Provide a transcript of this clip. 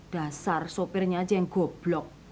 dasar sopirnya aja yang goblok